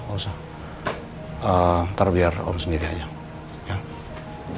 ntar biar orang sendiri aja